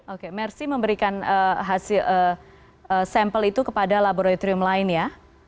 oke mersi memberikan hasil sampel itu kepada laboratorium lain ya